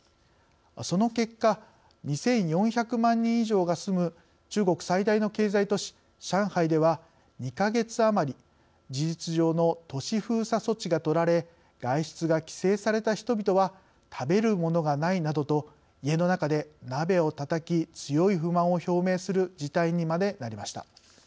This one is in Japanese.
その結果２４００万人以上が住む中国最大の経済都市、上海では２か月余り事実上の都市封鎖措置が取られ外出が規制された人々は食べる物がないなどと家の中で鍋をたたき強い不満を表明する事態にまでなりました。